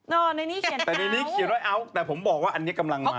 ในนี้เขียนแต่ในนี้เขียนว่าเอาแต่ผมบอกว่าอันนี้กำลังมา